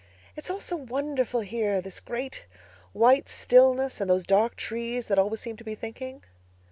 "It's all so wonderful here—this great, white stillness, and those dark trees that always seem to be thinking."